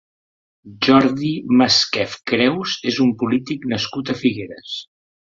Jordi Masquef Creus és un polític nascut a Figueres.